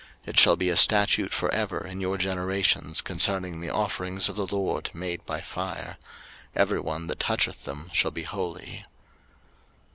It shall be a statute for ever in your generations concerning the offerings of the LORD made by fire: every one that toucheth them shall be holy.